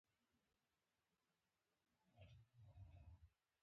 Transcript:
د یوې ژبې بنسټ همدا ساینسي کار دی، نه یوازې مینه.